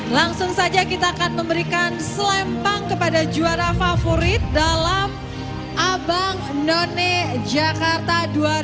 langsung saja kita akan memberikan selempang kepada juara favorit dalam abang none jakarta dua ribu dua puluh